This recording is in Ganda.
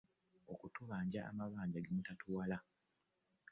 Okutubanja amabanja g'emutatuwala .